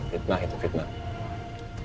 fitnah itu fitnah